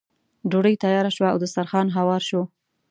ډوډۍ تیاره شوه او دسترخوان هوار شو.